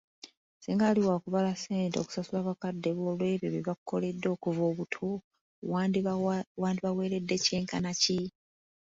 Singa wali waakubala ssente kusasula bakadde bo olwebyo bye bakukoledde okuva obuto, wandibaweeredde ky'enkana ki ?